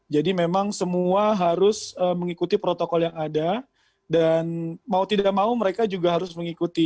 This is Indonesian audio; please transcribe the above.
jadi memang semua harus mengikuti protokol yang ada dan mau tidak mau mereka juga harus mengikuti